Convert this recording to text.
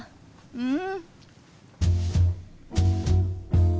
うん！